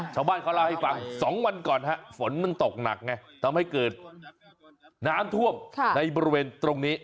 ชาวบ้านเขาเล่าให้ฟัง๒วันก่อนฮะฝนมันตกหนักไงทำให้เกิดน้ำท่วมในบริเวณตรงนี้